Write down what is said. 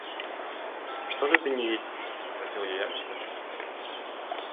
«Что же ты не едешь?» – спросил я ямщика с нетерпением.